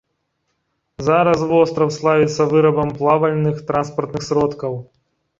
Зараз востраў славіцца вырабам плавальных транспартных сродкаў.